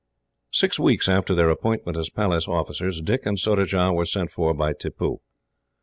Six weeks after their appointment as Palace officers, Dick and Surajah were sent for by Tippoo.